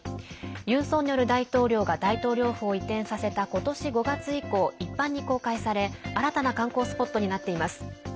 ユン・ソンニョル大統領が大統領府を移転させた今年５月以降一般に公開され、新たな観光スポットになっています。